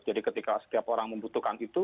jadi ketika setiap orang membutuhkan itu